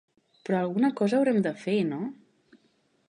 Però alguna cosa haurem de fer, no?